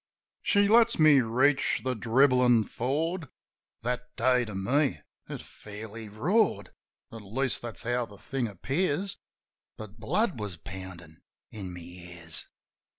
She lets me reach the dribblin' ford — That day to me it fairly roared. (At least, that's how the thing appears; But blood was poundin' in my ears.)